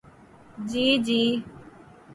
جی جی۔